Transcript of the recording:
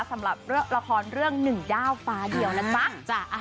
สำหรับละครเรื่อง๑ด้าวฟ้าเดียวนะจ๊ะ